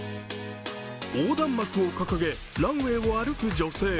横断幕を掲げ、ランウエーを歩く女性。